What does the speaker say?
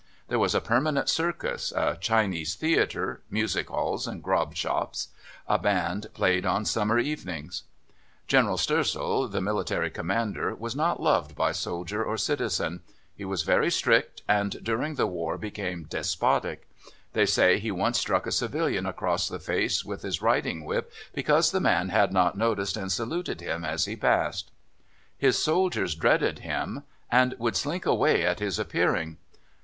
There was a permanent circus, a Chinese theatre, music halls, and grog shops; a band played on summer evenings. General Stoessel, the military commander, was not loved by soldier or citizen: he was very strict, and, during the war became despotic. They say he once struck a civilian across the face with his riding whip because the man had not noticed and saluted him as he passed. His soldiers dreaded him, and would slink away at his appearing.